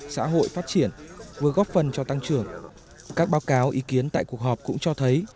xã hội phát triển vừa góp phần cho tăng trưởng các báo cáo ý kiến tại cuộc họp cũng cho thấy